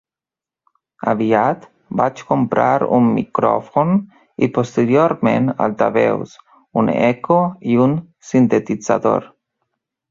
Aviat vaig comprar un micròfon i posteriorment altaveus, un eco i un sintetitzador.